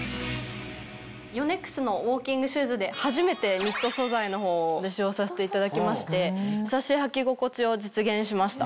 ヨネックスのウォーキングシューズで初めてニット素材のほうを使用させていただきまして優しい履き心地を実現しました。